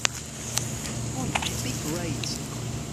Wouldn't it be great?